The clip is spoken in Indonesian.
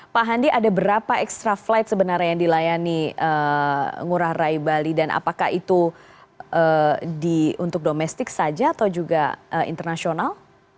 pak handi ada berapa extra flight sebenarnya yang dilayani ngurah rai bali dan apakah itu untuk domestik saja atau juga internasional